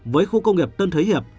với khu công nghiệp tân thế hiệp